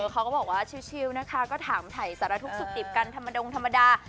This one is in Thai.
เขาก็บอกว่าชิลนะคะก็ถามถ่ายสารทุกข์สุขดิบกันธรรมดาดงธรรมดา